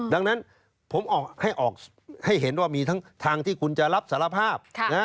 ดังนั้นผมให้ออกให้เห็นว่ามีทั้งทางที่คุณจะรับสารภาพ